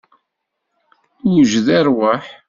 Newjed i rrwaḥ.